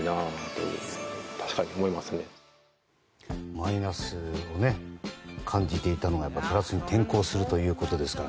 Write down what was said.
マイナスを感じていたのがプラスに転向するということですから。